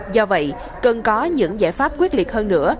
do vậy cần có những giải pháp quyết liệt hơn nữa